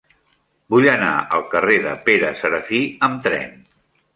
Vull anar al carrer de Pere Serafí amb tren.